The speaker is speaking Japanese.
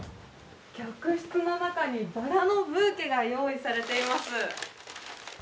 客室の中にバラのブーケが用意されています。